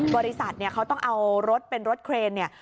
บริษัทเนี่ยเขาต้องเอารถเป็นรถเครนเนี่ย